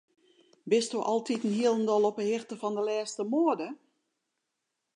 Bisto altiten hielendal op 'e hichte fan de lêste moade?